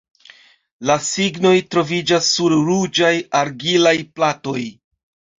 La signoj troviĝas sur ruĝaj argilaj platoj.